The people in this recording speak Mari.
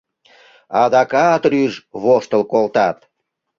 Адакат рӱж-ж воштыл колтат.